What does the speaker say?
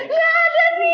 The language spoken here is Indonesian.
gak ada hidup